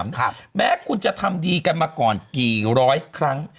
ครับแม้คุณจะทำดีกันมาก่อนกี่ร้อยครั้ง